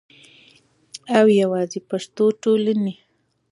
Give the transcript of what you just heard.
او یواځی پښتو ټولنې